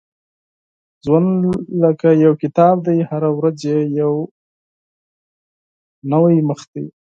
• ژوند لکه یو کتاب دی، هره ورځ یې یو نوی مخ دی.